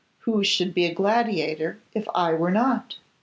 Who should be a gladiator if I were not?